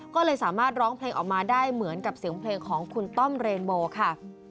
ก็เลยสามารถร้องเพลงออกมาได้เหมือนกับเสียงเพลงของคุณต้อมเรนโบค่ะ